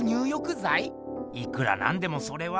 いくらなんでもそれは。